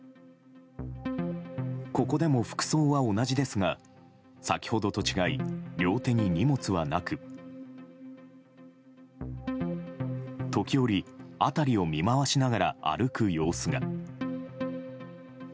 ここでも服装は同じですが先ほどと違い、両手に荷物はなく時折、辺りを見回しながら歩く様子が。